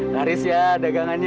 nari ya dagangannya